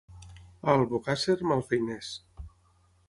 A Albocàsser, malfeiners.